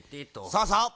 そうそう。